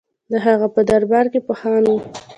د هغه په دربار کې پوهان وو